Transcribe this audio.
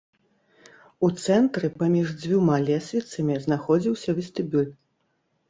У цэнтры паміж дзвюма лесвіцамі знаходзіўся вестыбюль.